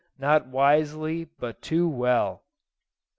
not wisely but too well."